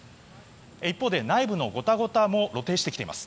一方で内部のゴタゴタも露呈してきています。